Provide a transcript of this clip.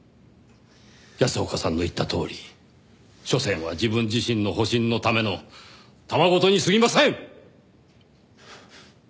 安岡さんの言ったとおりしょせんは自分自身の保身のためのたわ言に過ぎません！